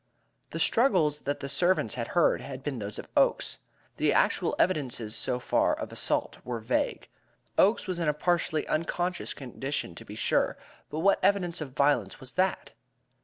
The struggles that the servants had heard had been those of Oakes; the actual evidences so far of assault were vague. Oakes was in a partially unconscious condition, to be sure; but what evidence of violence was that?